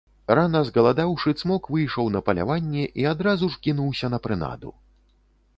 Рана згаладаўшы, цмок выйшаў на паляванне і адразу ж кінуўся на прынаду.